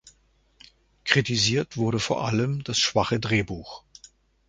Kritisiert wurde vor allem das "schwache Drehbuch".